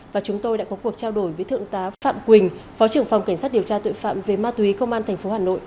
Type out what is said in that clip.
và chúng tôi đã có cuộc trao đổi với thượng tá phạm quỳnh phó trưởng phòng cảnh sát điều tra tội phạm về ma túy công an tp hà nội